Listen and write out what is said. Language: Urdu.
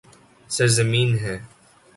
سرزمین ہے